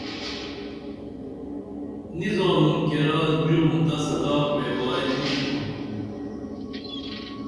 نی زانم کیرا جُرم تہ سزا پریوائی نِشیُھن